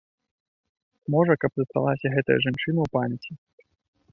Можа, каб засталася гэта жанчына ў памяці.